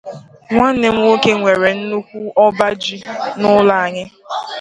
Nwanne m Nwoke nwere nnukwu ọbá ji na ụlọ ya